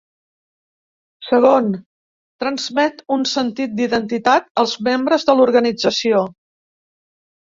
Segon, transmet un sentit d'identitat als membres de l'organització.